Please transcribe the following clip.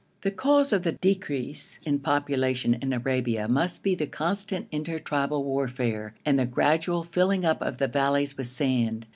The cause of the decrease in population in Arabia must be the constant inter tribal warfare and the gradual filling up of the valleys with sand.